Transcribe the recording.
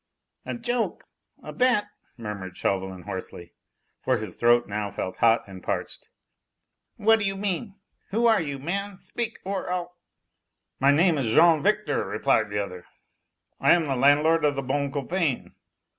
"A joke? A bet?" murmured Chauvelin hoarsely, for his throat now felt hot and parched. "What do you mean? Who are you, man? Speak, or I'll " "My name is Jean Victor," replied the other. "I am the landlord of the 'Bon Copain.'